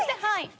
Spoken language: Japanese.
はい。